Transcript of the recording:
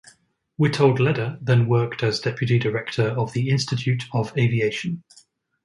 Witold Leder then worked as deputy director of the Institute of Aviation.